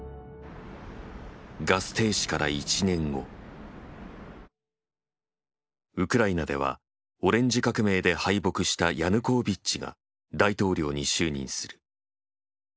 ガス停止から１年後ウクライナではオレンジ革命で敗北したヤヌコービッチが大統領に就任する。